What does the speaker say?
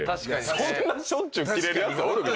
そんなしょっちゅうキレるやつ。